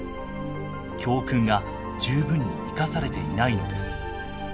教訓が十分に生かされていないのです。